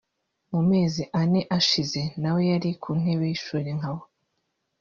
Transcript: mu mezi ane ashize nawe yari ku ntebe y’ishuri nkabo